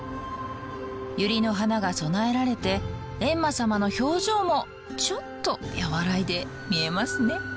ユリの花が供えられて閻魔様の表情もちょっと和らいで見えますね。